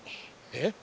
えっ？